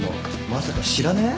まさか知らねえ？